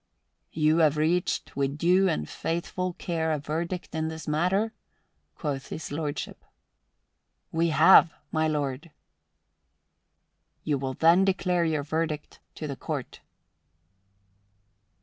"You have reached with due and faithful care a verdict in this matter?" quoth His Lordship. "We have, my lord." "You will then declare your verdict to the Court."